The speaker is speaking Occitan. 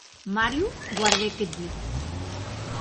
Mario guardèc eth dit.